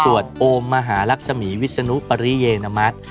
สวดโอมหารักษมีธ์วิศนุปริเยนมัติ